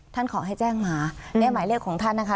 ขอให้แจ้งมานี่หมายเลขของท่านนะคะ